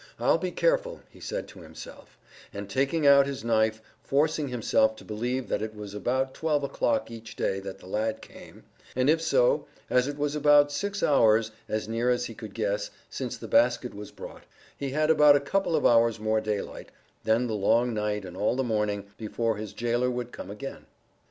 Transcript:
"I'll be careful," he said to himself; and taking out his knife forcing himself to believe that it was about twelve o'clock each day that the lad came, and if so, as it was about six hours, as near as he could guess, since the basket was brought, he had about a couple of hours more daylight, then the long night and all the morning, before his gaoler would come again.